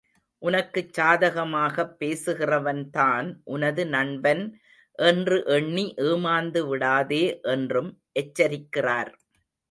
உனக்குச் சாதகமாகப் பேசுகிறவன்தான் உனது நண்பன் என்று எண்ணி ஏமாந்து விடாதே என்றும் எச்சரிக்கிறார்.